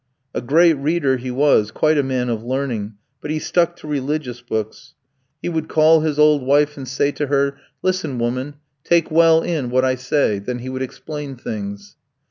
A great reader he was, quite a man of learning; but he stuck to religious books. He would call his old wife and say to her, 'Listen, woman, take well in what I say;' then he would explain things.